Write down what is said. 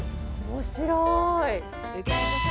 面白い。